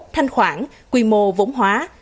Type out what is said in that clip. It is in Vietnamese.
thanh khoản quy mô vốn hóa